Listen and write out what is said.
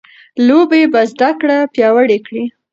لوبې به زده کړه پیاوړې کړي.